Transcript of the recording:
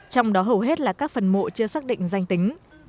trong đó hầu hết là các phần mộ chưa xác định danh tính